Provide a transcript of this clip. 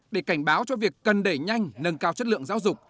để cảnh báo cho việc cần đẩy nhanh nâng cao chất lượng giáo dục